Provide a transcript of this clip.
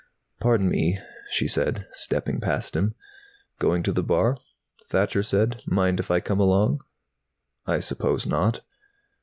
"Pardon me," she said, stepping past him. "Going to the bar?" Thacher said. "Mind if I come along?" "I suppose not."